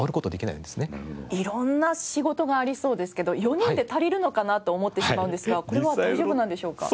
色んな仕事がありそうですけど４人で足りるのかなと思ってしまうんですがこれは大丈夫なんでしょうか？